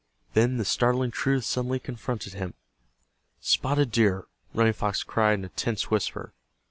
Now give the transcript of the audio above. Then the startling truth suddenly confronted him. "Spotted Deer!" Running Fox cried in a tense whisper.